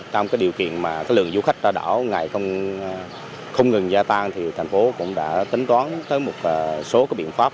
trong cái điều kiện mà cái lượng du khách đã đảo ngày không ngừng gia tăng thì thành phố cũng đã tính toán tới một số các biện pháp